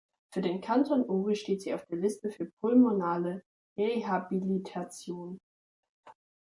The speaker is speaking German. Für den Kanton Uri steht sie auf der Liste für Pulmonale Rehabilitation.